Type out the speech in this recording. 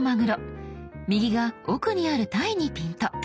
右が奥にあるタイにピント。